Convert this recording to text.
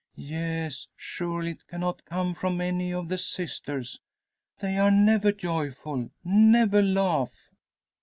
Yes! Surely it cannot come from any of the sisters? They are never joyful never laugh."